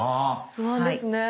不安ですね。